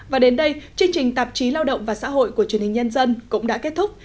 và đến đây chương trình tạp chí lao động và xã hội của truyền hình nhân dân cũng đã kết thúc